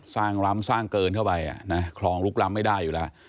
ล้ำสร้างเกินเข้าไปคลองลุกล้ำไม่ได้อยู่แล้ว